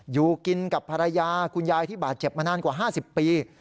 อยู่กินกับภรรยาคุณยายที่บาดเจ็บมานานกว่า๕๐ปี